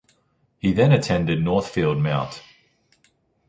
He then attended the Northfield Mt.